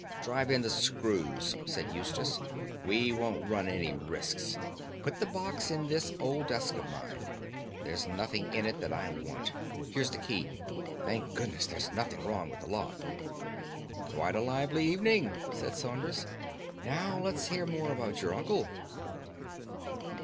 "Drive in the screws," said Eustace, "we won't run any risks. Put the box in this old desk of mine. There's nothing in it that I want. Here's the key. Thank goodness, there's nothing wrong with the lock." "Quite a lively evening," said Saunders. "Now let's hear more about your uncle."